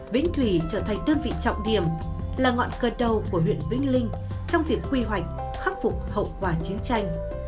bến thủy trở thành đơn vị trọng điểm là ngọn cơ đầu của huyện vĩnh linh trong việc quy hoạch khắc phục hậu quả chiến tranh